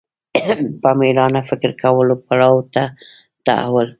په مېړانه فکر کولو پړاو ته تحول